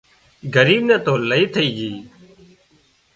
ڳريب نِي تو لئي ٿئي جھئي